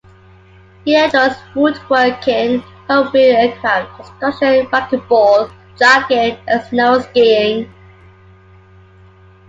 He enjoys woodworking, home-built aircraft construction, racquetball, jogging, and snow skiing.